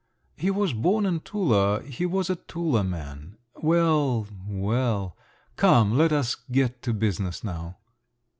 "He was born in Tula…. He was a Tula man. Well … well. Come, let us get to business now."